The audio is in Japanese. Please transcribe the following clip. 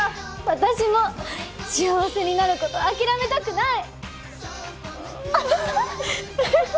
私も幸せになること諦めたくない！